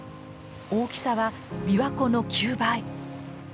大きさは琵琶湖の９倍。